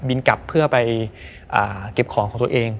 กลับเพื่อไปเก็บของของตัวเอง